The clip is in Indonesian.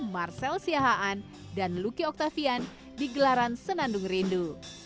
marcel siahaan dan lucky octavian di gelaran senandung rindu